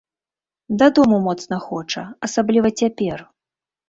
Дадому моцна хоча, асабліва цяпер.